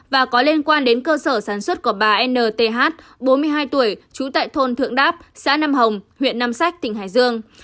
và có liên quan đến cơ sở sản xuất của bà nth bốn mươi hai tuổi trú tại thôn thượng đáp xã nam hồng huyện nam sách tỉnh hải dương